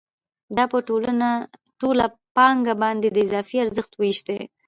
دا په ټوله پانګه باندې د اضافي ارزښت وېش دی